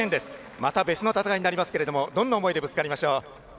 また別の戦いになりますがどんな思いでぶつかりましょう？